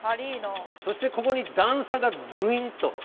そしてここに段差がブリンと。